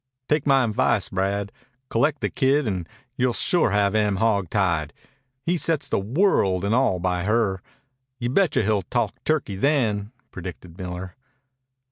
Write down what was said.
"Take my advice, Brad. Collect the kid, an' you'll sure have Em hogtied. He sets the world an' all by her. Y'betcha he'll talk turkey then," predicted Miller.